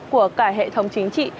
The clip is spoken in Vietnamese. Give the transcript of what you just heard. của cả hệ thống chính trị